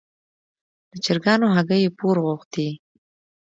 د چرګانو هګۍ یې پور غوښتې.